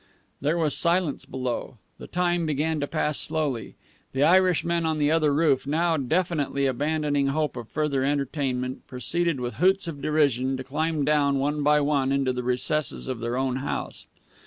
There was silence below. The time began to pass slowly. The Irishmen on the other roof, now definitely abandoning hope of further entertainment, proceeded with hoots of derision to climb down one by one into the recesses of their own house.